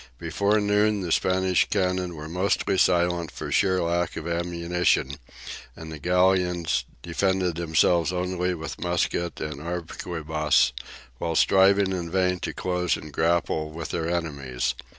Before noon the Spanish cannon were mostly silent, for sheer lack of ammunition, and the galleons defended themselves only with musket and arquebuse, while striving in vain to close and grapple with their enemies.